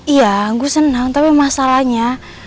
iya gue senang tapi masalahnya